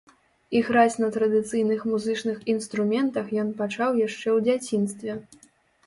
Іграць на традыцыйных музычных інструментах ён пачаў яшчэ ў дзяцінстве.